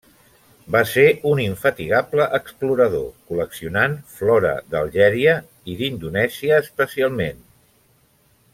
Va ser un infatigable explorador, col·leccionant flora d'Algèria i d'Indonèsia, especialment.